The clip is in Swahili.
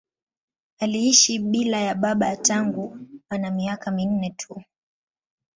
Aliishi bila ya baba tangu ana miaka minne tu.